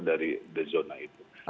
jauh dari zona itu